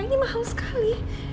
ini mahal sekali